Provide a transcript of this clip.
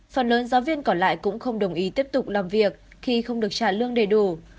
phần lớn giáo viên còn lại cũng không đồng ý tiếp tục làm việc khi không được trả lương đầy đủ